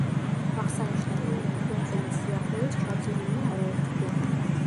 აღსანიშნავია, რომ კუნძულის სიახლოვეს ჩაძირულია არაერთი გემი.